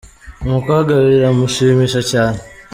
Umukobwa biramushimisha cyane.